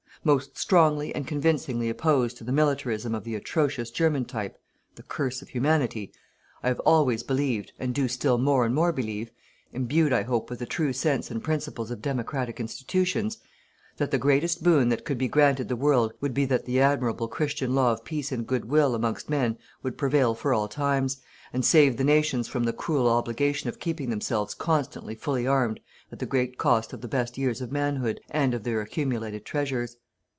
Most strongly and convincingly opposed to the militarism of the atrocious German type the curse of Humanity I have always believed and do still more and more believe imbued, I hope, with the true sense and principles of democratic institutions, that the greatest boon that could be granted the world would be that the admirable Christian law of peace and good will amongst men would prevail for all times, and save the nations from the cruel obligation of keeping themselves constantly fully armed at the great cost of the best years of manhood, and of their accumulated treasures.